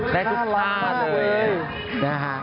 ได้ทุกษณ์เลย